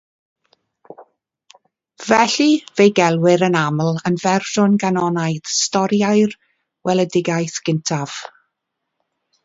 Felly, fe'i gelwir yn aml yn "fersiwn ganonaidd" stori'r Weledigaeth Gyntaf.